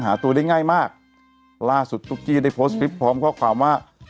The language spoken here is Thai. หาตัวได้ง่ายมากล่าสุดตุ๊กกี้ได้โพสต์คลิปพร้อมข้อความว่า